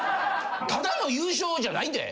ただの優勝じゃないで？